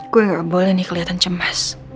gue boleh nih kelihatan cemas